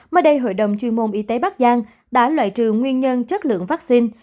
mới đây hội đồng chuyên môn y tế bắc giang đã loại trừ nguyên nhân chất lượng vaccine